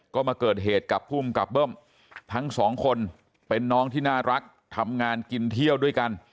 ก็มาเกิดเหตุกับภูมิกับเบิ้มทั้งสองคนเป็นน้องที่น่ารักทำงานกินเที่ยวด้วยกัน